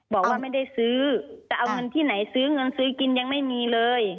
บอกว่าไม่ได้ซื้อจะเอาเงินที่ไหนซื้อเงินซื้อกินยังไม่มีเลย